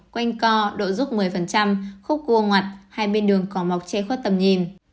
quanh co độ rút một mươi khúc cua ngoặt hai bên đường có mọc che khuất tầm nhìn